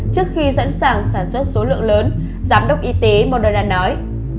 trước khi sẵn sàng sản xuất số lượng lớn giám đốc y tế moderna nói